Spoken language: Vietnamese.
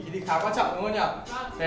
thì khá quan trọng đúng không nhỉ